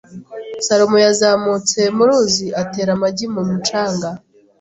Salmon yazamutse mu ruzi atera amagi mu mucanga.